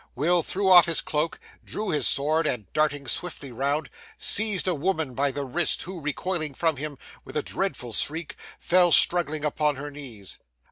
Will threw off his cloak, drew his sword, and darting swiftly round, seized a woman by the wrist, who, recoiling from him with a dreadful shriek, fell struggling upon her knees.